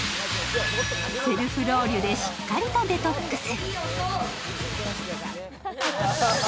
セルフロウリュでしっかりとデトックス。